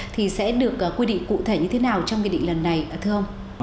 thì sẽ được quy định cụ thể như thế nào trong nghị định lần này thưa ông